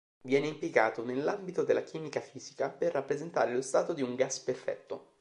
Viene impiegato nell'ambito della chimica fisica per rappresentare lo stato di un gas perfetto.